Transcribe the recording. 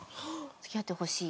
「付き合ってほしい」？